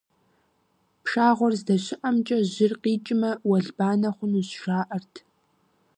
Пшагъуэр здэщыӏэмкӏэ жьыр къикӏмэ, уэлбанэ хъунущ, жаӀэрт.